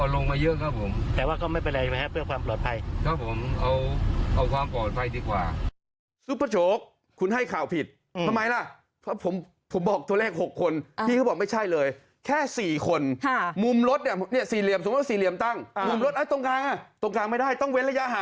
แล้วไม่ชอบ